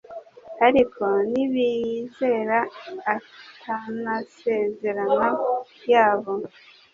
ariko nibizera atnasezerano yayo.